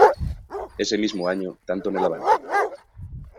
Ese mismo año, tanto en el "Avanti!